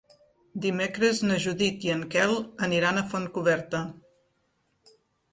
Dimecres na Judit i en Quel aniran a Fontcoberta.